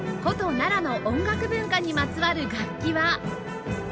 奈良の音楽文化にまつわる楽器は